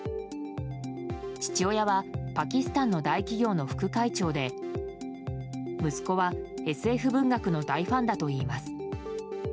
父親はパキスタンの大企業の副会長で息子はＳＦ文学の大ファンだといいます。